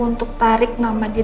untuk tarik nama dia dari riki